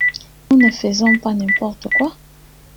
Nous ne faisons pas n’importe quoi.